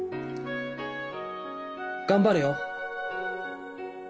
頑張れよ。